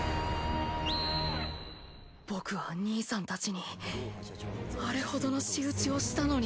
僕は兄さんたちにあれほどの仕打ちをしたのに。